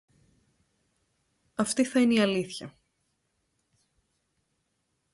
Αυτή θα είναι η αλήθεια.